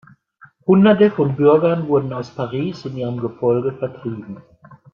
Hunderte von Bürgern wurden aus Paris in ihrem Gefolge vertrieben.